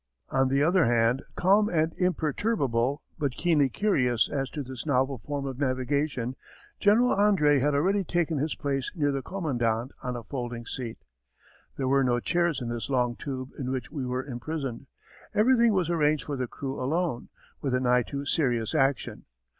On the other hand, calm and imperturbable, but keenly curious as to this novel form of navigation, General André had already taken his place near the commandant on a folding seat. There were no chairs in this long tube in which we were imprisoned. Everything was arranged for the crew alone, with an eye to serious action.